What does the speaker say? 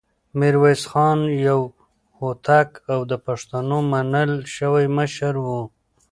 ميرويس خان يو هوتک او د پښتنو منل شوی مشر و.